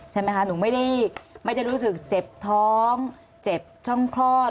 ใช่ไหมคะหนูไม่ได้รู้สึกเจ็บท้องเจ็บช่องคลอด